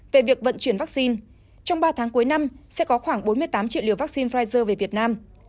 về việc vận chuyển vaccine trong ba tháng cuối năm sẽ có khoảng bốn mươi tám triệu liều vaccine pfizer về việt nam